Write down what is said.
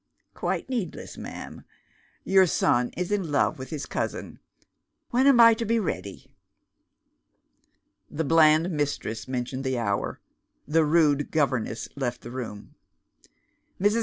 "Quite needless, ma'am. Your son is in love with his cousin. When am I to be ready?" The bland mistress mentioned the hour. The rude governess left the room. Mrs.